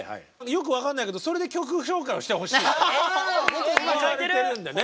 よく分かんないけどそれで曲紹介をしてほしいと言われてるんでね。